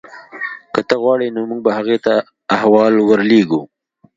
که ته غواړې نو موږ به هغې ته احوال ورلیږو